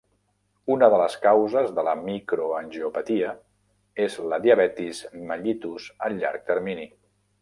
Una de les causes de la microangiopatia és la diabetis mellitus a llarg termini.